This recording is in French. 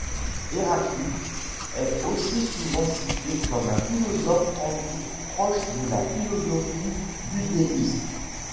Héraclite est aussi souvent cité comme un philosophe antique proche de la philosophie dudeiste.